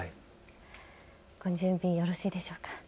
ご準備、よろしいでしょうか。